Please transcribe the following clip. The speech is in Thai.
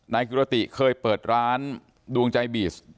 นายกิรติเคยเปิดร้านดวงใจบีช